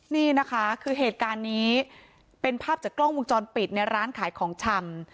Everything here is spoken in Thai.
นี่นะคะคือเหตุการณ์นี้เป็นภาพจากกล้องวงจรปิดในร้านขายของชำ